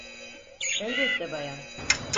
Elbette bayan.